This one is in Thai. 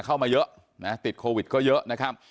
เข้ามาเยอะนะติดโควิดก็เยอะนะครับ